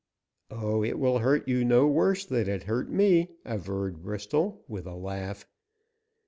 "Oh, it will hurt you no worse than it hurt me," averred Bristol, with a laugh.